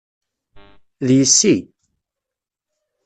D yessi!